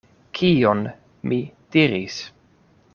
Kion mi diris?